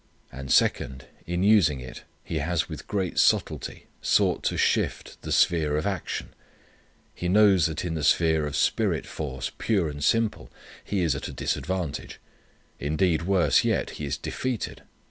And, second, in using it he has with great subtlety sought to shift the sphere of action. He knows that in the sphere of spirit force pure and simple he is at a disadvantage: indeed, worse yet, he is defeated.